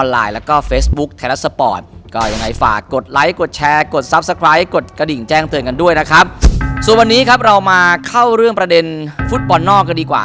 ลิฟภูมิก็จะกลับขึ้นไปอยู่ในเส้นทางตัวเองได้